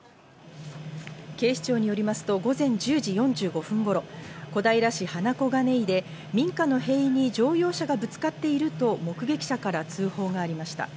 警視庁によりますと午前１０時４５分頃、小平市花小金井で民家の塀に乗用車がぶつかっていると目撃者から通報がありました。